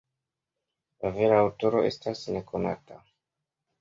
La vera aŭtoro estas nekonata.